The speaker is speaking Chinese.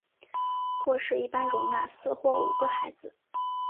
卧室一般容纳四或五个孩子。